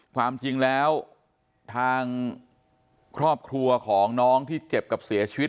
ความจริงแล้วทางครอบครัวของน้องที่เจ็บกับเสียชีวิต